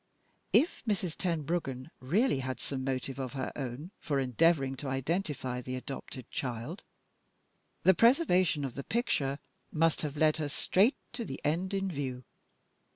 If Mrs. Tenbruggen really had some motive of her own for endeavoring to identify the adopted child, the preservation of the picture must have led her straight to the end in view.